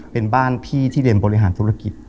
เป็นบ้านพี่ที่เรียนบริหารธุรกิจ